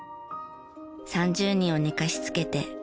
３０人を寝かしつけて遅い昼食。